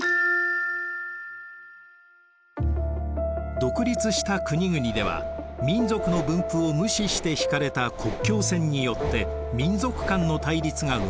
独立した国々では民族の分布を無視して引かれた国境線によって民族間の対立が生まれました。